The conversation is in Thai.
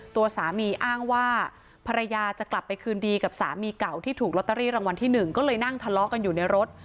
ตัวสามีอ้างว่าภรรยาจะกลับไปคืนดีกับสามีเก่าที่ถูกลอตเตอรี่รางวัลที่หนึ่งก็เลยนั่งทะเลาะกันอยู่ในรถ